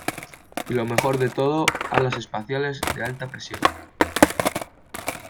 ¡ Y lo mejor de todo, alas espaciales de alta presión!